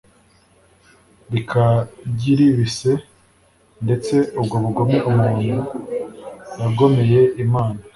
bikagiribise, ndetse ubwo bugome umuntu yagomeye imana